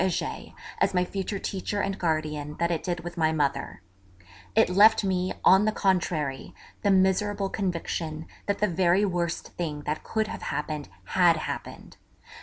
Heger as my future teacher and guardian that it did with my mother;_ it left with me, on the contrary, the miserable conviction that the very worst thing that could have happened had happened; that M.